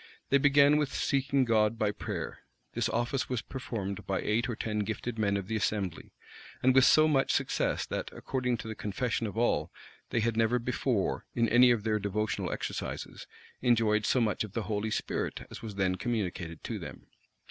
They began with seeking God by prayer: this office was performed by eight or ten gifted men of the assembly; and with so much success, that, according to the confession of all, they had never before, in any of their devotional exercises, enjoyed so much of the Holy Spirit as was then communicated to them.